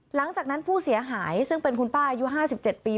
หลังจากนั้นผู้เสียหายซึ่งเป็นคุณป้าอายุ๕๗ปี